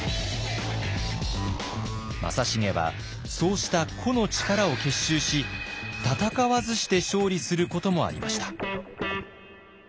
正成はそうした個の力を結集し戦わずして勝利することもありました。